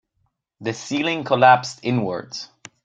The ceiling collapsed inwards.